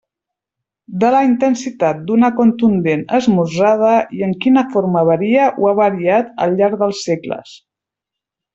De la intensitat d'una contundent esmorzada i en quina forma varia o ha variat al llarg dels segles.